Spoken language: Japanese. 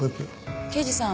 刑事さん